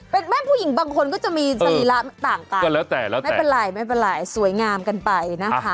เป็นแม่ผู้หญิงบางคนก็จะมีสลีระต่างต่างไม่เป็นไรสวยงามกันไปนะคะ